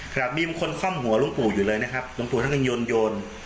ครับมีบางคนคว่ำหัวหลวงปู่อยู่เลยนะครับหลวงปู่ท่านยังโยนโยน